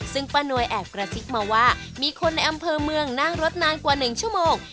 ซึ่งป้านวยแอบกระซิบมาว่ามีคนในอำเภอเมืองนั่งรถนานกว่า๑ชั่วโมง